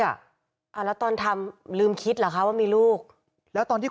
อ่าแล้วตอนทำลืมคิดเหรอคะว่ามีลูกแล้วตอนที่